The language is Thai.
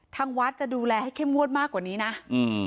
ทางวัดจะดูแลให้เข้มงวดมากกว่านี้นะอืม